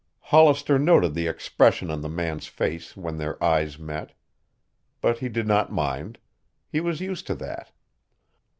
Hollister noted the expression on the man's face when their eyes met. But he did not mind. He was used to that.